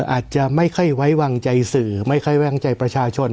อาจจะไม่ค่อยไว้วางใจสื่อไม่ค่อยแว้งใจประชาชน